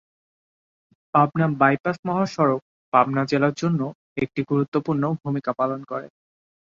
Pabna bypass মহাসড়ক পাবনা জেলার জন্য একটি গুরুত্বপূর্ণ ভুমিকা পালন করে।